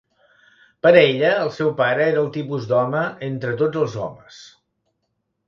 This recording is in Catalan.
Per a ella, el seu pare era el tipus d'home entre tots els homes.